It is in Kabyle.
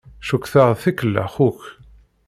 Cukkteɣ d tikellax akk.